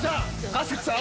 春日さん